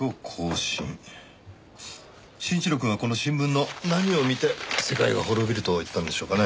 真一郎くんはこの新聞の何を見て世界が滅びると言ったんでしょうかね？